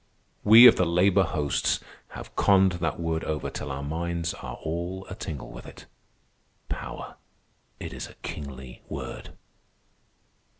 We of the labor hosts have conned that word over till our minds are all a tingle with it. Power. It is a kingly word."